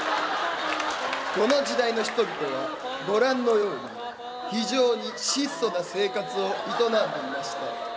この時代の人々はご覧のように非常に質素な生活を営んでいました。